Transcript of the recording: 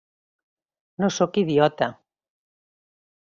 No sóc idiota.